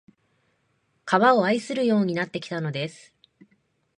川を愛するようになってきたのです